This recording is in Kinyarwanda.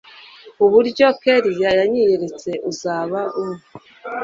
uburyo kellia yanyiyeretse uzaba u